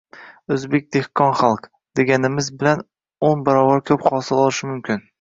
“Oʻzbek dehqon xalq” deganimiz bilan, o‘n barobar koʻp hosil olishi mumkin.